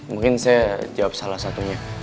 mungkin saya jawab salah satunya